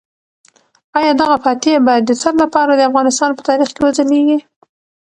آیا دغه فاتح به د تل لپاره د افغانستان په تاریخ کې وځلیږي؟